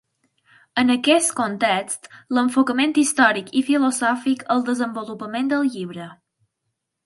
En aquest context, l'enfocament històric i filosòfic al desenvolupament del llibre.